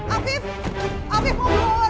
afif afif mau keluar